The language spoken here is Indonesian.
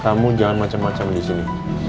kamu jangan macem macem disini